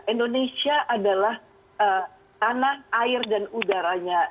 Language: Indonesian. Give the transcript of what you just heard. indonesia adalah tanah air dan udaranya